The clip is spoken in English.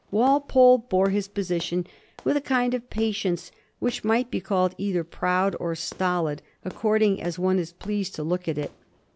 Walpole bore his position with a kind of patience which might be called either proud or stolid, according as one is pleased to look at it.